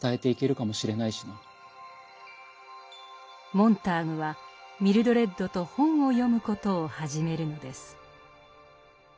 モンターグはミルドレッドと本を読むことを始めるのです。